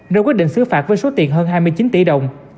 rồi quyết định xứ phạt với số tiền hơn hai mươi chín tỷ đồng